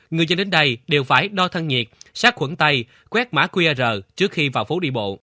người dân đến đây đều phải đo thân nhiệt sát khuẩn tay quét mã qr trước khi vào phố đi bộ